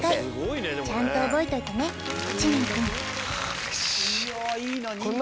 うれしい！